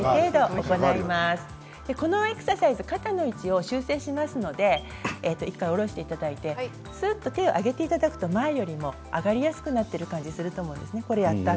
このエクササイズは肩の位置を修正しますので１回下ろしていただいてすっと手を上げていただくと前よりも上がりやすくなる感じがすると思います。